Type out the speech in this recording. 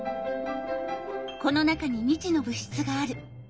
この中に未知の物質がある。